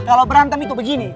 kalau berantem itu begini